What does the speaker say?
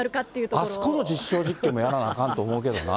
あそこの実証実験もやらなあかんと思うけどな。